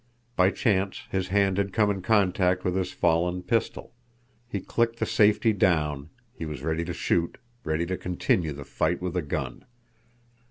By chance his hand had come in contact with his fallen pistol. He clicked the safety down; he was ready to shoot, ready to continue the fight with a gun.